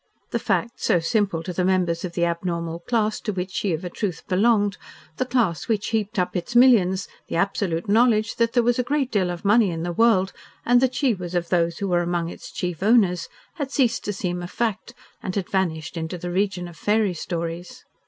The fact, so simple to the members of the abnormal class to which she of a truth belonged, the class which heaped up its millions, the absolute knowledge that there was a great deal of money in the world and that she was of those who were among its chief owners, had ceased to seem a fact, and had vanished into the region of fairy stories.